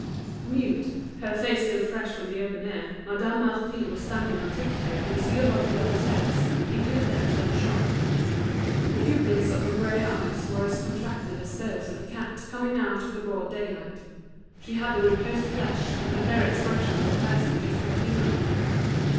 Mute, her face still fresh from the open air, Madame Marty was standing on tip toe to see above the others' heads into the depths of the shop. The pupils of her grey eyes were as contracted as those of a cat coming out of the broad daylight; she had the reposed flesh, and the clear expression of a person just waking up.